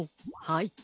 はい。